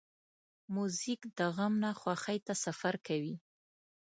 موزیک د غم نه خوښۍ ته سفر کوي.